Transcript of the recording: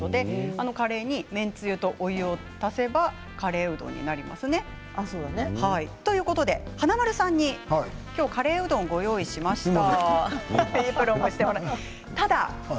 カレーに麺つゆとお湯を足せばカレーうどんになりますね。ということで華丸さんに今日はカレーうどんをご用意しました。